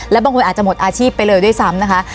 และบางคนอาจจะหมดอาชีพไปเลยด้วยซ้ำนะคะ